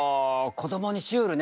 こどもにシュールね。